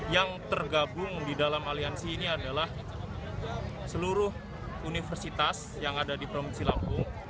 yang tergabung di dalam aliansi ini adalah seluruh universitas yang ada di provinsi lampung